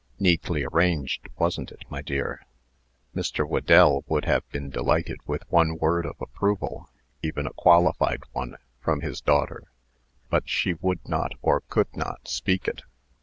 Neatly arranged, wasn't it, my dear?" Mr. Whedell would have been delighted with one word of approval (even a qualified one) from his daughter, but she would not, or could not speak it.